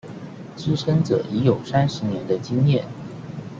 資深者已有三十年的經驗